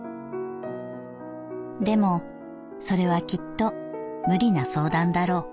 「でもそれはきっと無理な相談だろう。